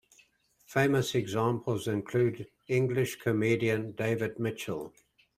Famous examples include English comedian David Mitchell.